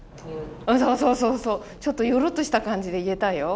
そうそうちょっとゆるっとした感じで言えたよ。